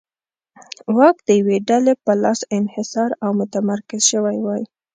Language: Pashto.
واک د یوې ډلې په لاس انحصار او متمرکز شوی وای.